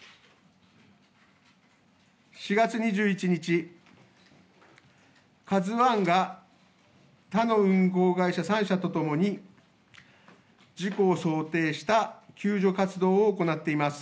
４月２１日、カズワンが、他の運航会社３社とともに、事故を想定した救助活動を行っています。